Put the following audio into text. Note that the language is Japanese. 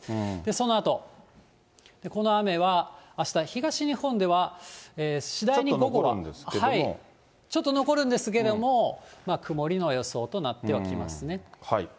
そのあと、この雨は、あした、東日本では次第に午後は、ちょっと残るんですけども、曇りの予想となってはきますね。